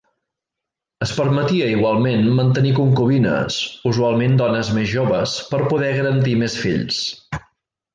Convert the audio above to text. Es permetia igualment mantenir concubines, usualment dones més joves per poder garantir més fills.